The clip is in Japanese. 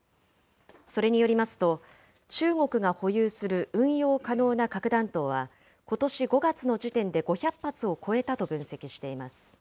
それによりますと、中国が保有する運用可能な核弾頭は、ことし５月の時点で５００発を超えたと分析しています。